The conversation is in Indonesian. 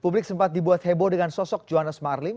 publik sempat dibuat heboh dengan sosok johannes marlim